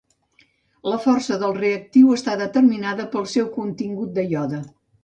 La força del reactiu està determinada pel seu contingut de iode.